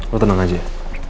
lo tenang aja ya